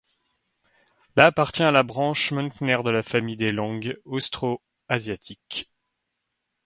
La appartient à la branche môn-khmer de la famille des langues austroasiatiques.